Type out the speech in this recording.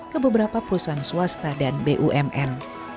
ke beberapa perusahaan swasta dan bumn